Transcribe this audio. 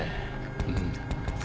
うん。